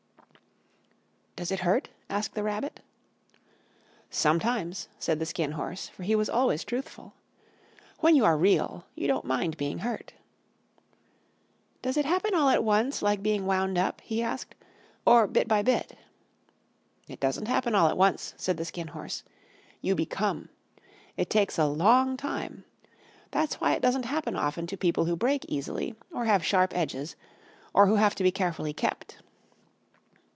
"Does it hurt?" asked the Rabbit. "Sometimes," said the Skin Horse, for he was always truthful. "When you are Real you don't mind being hurt." "Does it happen all at once, like being wound up," he asked, "or bit by bit?" "It doesn't happen all at once," said the Skin Horse. "You become. It takes a long time. That's why it doesn't happen often to people who break easily, or have sharp edges, or who have to be carefully kept.